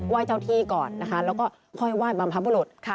ว่ายเจ้าที่ก่อนแล้วก็ค่อยว่ายบัมพบุรุษ